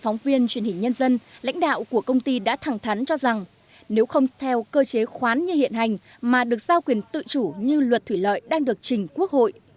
phóng viên truyền hình nhân dân lãnh đạo của công ty đã thẳng thắn cho rằng nếu không theo cơ chế khoán như hiện hành mà được giao quyền tự chủ như luật thủy lợi đang được trình quốc hội